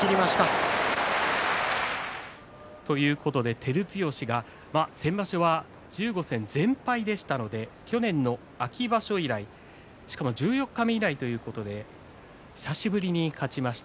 照強、先場所は１５戦全敗でしたので去年の秋場所以来しかも十四日目以来ということで久しぶりに勝ちました。